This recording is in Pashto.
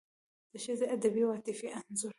د ښځې ادبي او عاطفي انځور